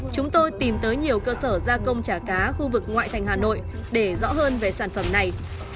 chúng tôi tìm tới nhiều cơ sở gia công trả cá khu vực ngoại thành hà nội để rõ hơn về sản phẩm này